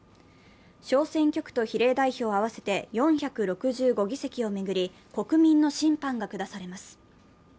小選挙区と比例代表、合わせて４６５議席を争い、国民の審判が下されます。